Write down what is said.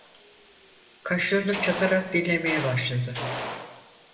Kaşlarını çatarak dinlemeye başladı.